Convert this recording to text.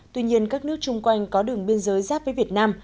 tuy nhiên các nước chung quanh có đường biên giới giáp với việt nam